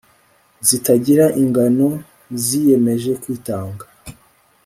zitagira ingano ziyemeje kwitanga